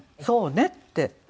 「そうね」って。